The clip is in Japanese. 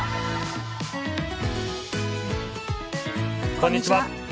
こんにちは。